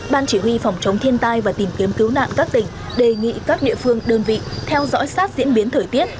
ban chỉ huy phòng chống thiên tai và tìm kiếm cứu nạn các tỉnh đề nghị các địa phương đơn vị theo dõi sát diễn biến thời tiết